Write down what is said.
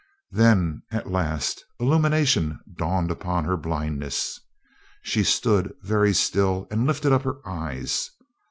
Then at last illumination dawned upon her blindness. She stood very still and lifted up her eyes.